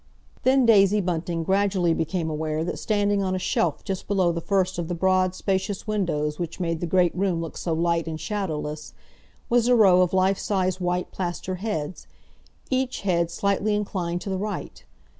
Then Daisy Bunting gradually became aware that standing on a shelf just below the first of the broad, spacious windows which made the great room look so light and shadowless, was a row of life size white plaster heads, each head slightly inclined to the right.